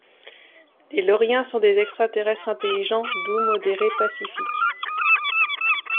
Les Loriens sont des extraterrestres intelligents, doux, modérés, pacifiques.